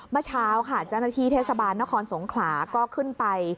เมื่อเช้าค่ะเจ้าหน้าที่เทศบาลนครสงขลาก็ขึ้นไป